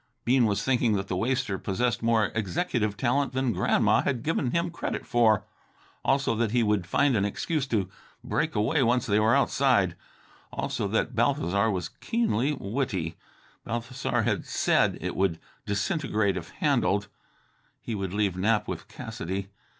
Bean was thinking that the waster possessed more executive talent than Grandma had given him credit for; also that he would find an excuse to break away once they were outside; also that Balthasar was keenly witty. Balthasar had said it would disintegrate if handled. He would leave Nap with Cassidy.